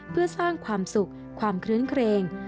เพื่อสร้างความสุขความคลื้นเครง